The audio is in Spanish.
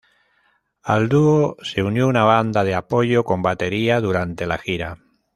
Al dúo se unió una banda de apoyo con batería durante la gira.